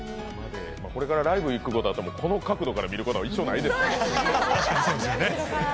これからライブ行くことあっても、この角度で見ることは一生ないでしょ。